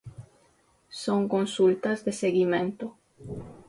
Son consultas de seguimento.